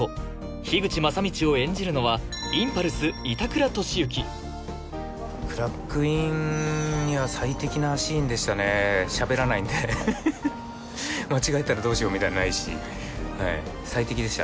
樋口昌通を演じるのはインパルス・板倉俊之クランクインには最適なシーンでしたねしゃべらないんで間違えたらどうしようみたいなのないしはい最適でした